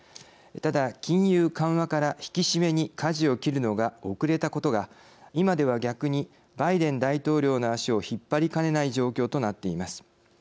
ただ、金融緩和から引き締めに舵を切るのが遅れたことがいまでは逆にバイデン大統領の足を引っ張りかねない状況となっています。